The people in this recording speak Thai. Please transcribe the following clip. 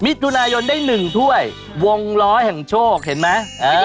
มิถุนายนได้๑ถ้วยวงล้อแห่งโชคเห็นไหม